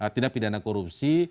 tindak pidana korupsi